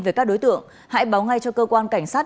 về các đối tượng hãy báo ngay cho cơ quan cảnh sát